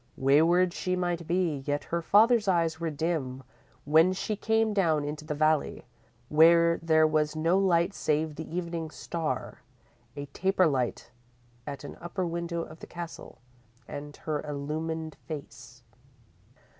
"_ _Wayward she might be, yet her father's eyes were dim when she came down into the valley, where there was no light save the evening star, a taper light at an upper window of the Castle, and her illumined face.